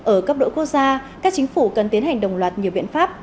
ở cấp độ quốc gia các chính phủ cần tiến hành đồng loạt nhiều biện pháp